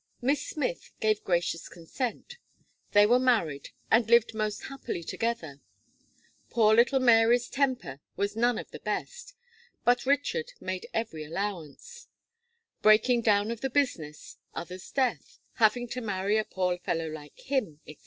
Miss Smith gave gracious consent. They were married, and lived most happily together. Poor little Mary's temper was none of the best; but Richard made every allowance: "Breaking down of the business other's death having to marry a poor fellow like him, &c."